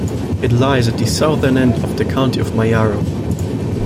It lies at the southern end of the county of Mayaro.